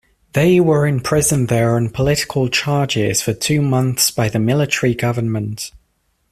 They were imprisoned there on political charges for two months by the military government.